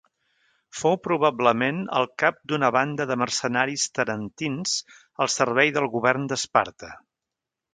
Fou probablement el cap d'una banda de mercenaris tarentins al servei del govern d'Esparta.